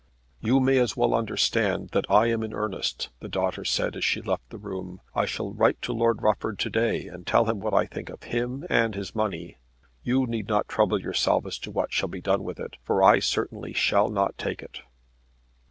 "You may as well understand that I am in earnest," the daughter said as she left the room. "I shall write to Lord Rufford to day and tell him what I think of him and his money. You need not trouble yourself as to what shall be done with it, for I certainly shall not take it."